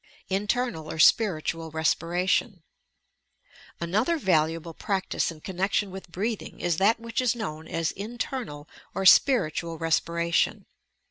INTERN AI, OB SPIRITUAL BESPIRATION Another valuable practice in connection with breath ing is that which is known as "internal" or "spiritual respiration."